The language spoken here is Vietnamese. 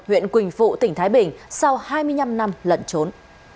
huyện quỳnh phụ tỉnh thái bình sau hai mươi năm năm lẩn trốn